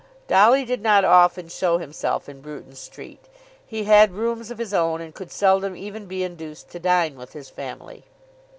Dolly did not often show himself in Bruton Street. He had rooms of his own, and could seldom even be induced to dine with his family.